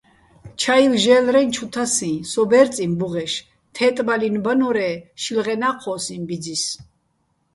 ჩაივ ჟე́ლრეჼ ჩუ თასიჼ, სო ბერწიჼ ბუღეშ, თე́ტბალინო̆ ბარ-ე შილღენა́ ჴოსიჼ ბიძის.